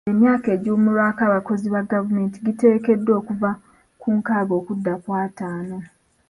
Emyaka egiwummulirwako abakozi ba gavumenti gikendeezeddwa okuva ku nkaaga okudda ku ataano.